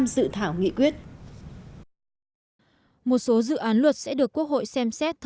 năm dự thảo nghị quyết